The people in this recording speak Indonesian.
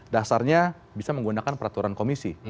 dasarnya bisa menggunakan peraturan komisi